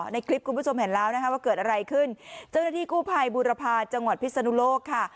ในคลิปคุณผู้ชมเห็นแล้วนะคะว่าเกิดอะไรขึ้นเจ้าหน้าที่กู้ภัยบูรพาจังหวัดพิศนุโลกค่ะ